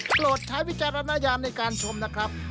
โปรดใช้วิจารณญาณในการชมนะครับ